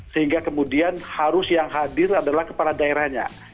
sehingga kemudian harus yang hadir adalah kepala daerahnya